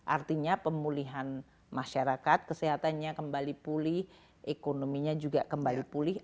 artinya pemulihan masyarakat kesehatannya kembali pulih ekonominya juga kembali pulih